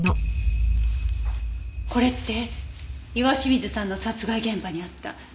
これって岩清水さんの殺害現場にあった。